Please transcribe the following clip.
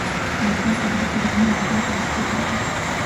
La place abrite également une rampe de skateboard.